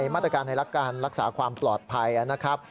มาตรการในการรักษาความปลอดภัยนะครับ